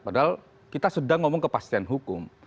padahal kita sedang ngomong kepastian hukum